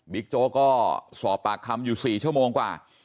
โจ๊กก็สอบปากคำอยู่๔ชั่วโมงกว่า